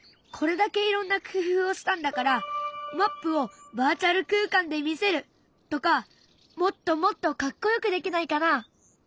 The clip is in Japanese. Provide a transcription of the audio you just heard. これだけいろんな工夫をしたんだからマップをバーチャル空間で見せるとかもっともっとかっこよくできないかな？